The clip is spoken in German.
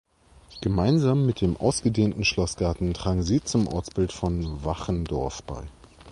Gemeinsam mit dem ausgedehnten Schlossgarten tragen sie zum Ortsbild von Wachendorf bei.